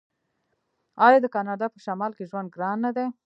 آیا د کاناډا په شمال کې ژوند ګران نه دی؟